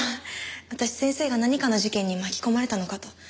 私先生が何かの事件に巻き込まれたのかと。